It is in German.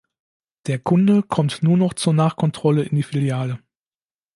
Der Kunde kommt nur noch zur Nachkontrolle in die Filiale.